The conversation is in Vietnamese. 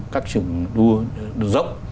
các trường đua rộng